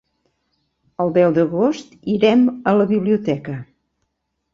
El deu d'agost irem a la biblioteca.